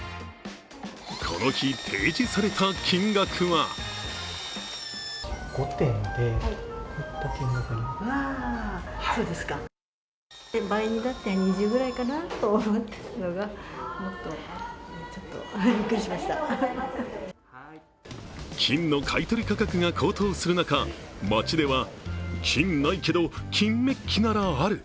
この日、提示された金額は金の買い取り価格が高騰する中、街では、金ないけど、金メッキならある。